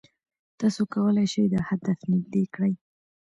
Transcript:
تاسو کولای شئ دا هدف نږدې کړئ.